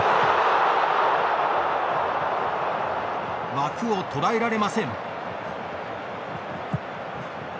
枠を捉えられません。